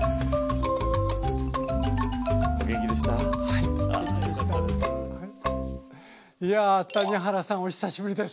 いや谷原さんお久しぶりです。